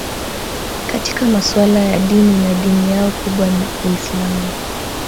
Katika masuala ya dini na dini yao kubwa ni Uislamu